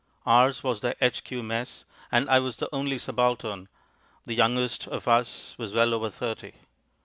Ours was the H.Q. Mess, and I was the only subaltern; the youngest of us was well over thirty.